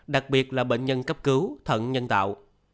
đặc biệt là bệnh nhân cấp cứu thận nhân tạo